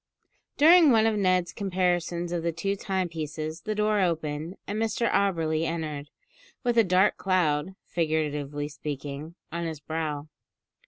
During one of Ned's comparisons of the two timepieces the door opened, and Mr Auberly entered, with a dark cloud, figuratively speaking, on his brow.